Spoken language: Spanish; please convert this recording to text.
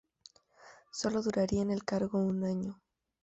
Sólo duraría en el cargo un año.